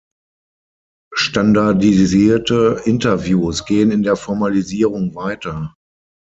Standardisierte Interviews gehen in der Formalisierung weiter.